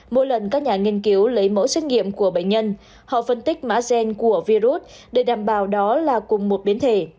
mỗi lần các nhà nghiên cứu lấy mẫu xét nghiệm của bệnh nhân họ phân tích mã gen của virus để đảm bảo đó là cùng một biến thể